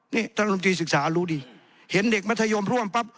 นี่ท่านลมตรีศึกษารู้ดีเห็นเด็กมัธยมร่วมปั๊บ